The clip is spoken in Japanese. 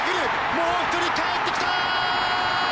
もう１人、かえってきた！